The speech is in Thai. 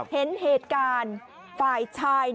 เห็นเหตุการณ์ฝ่ายชาย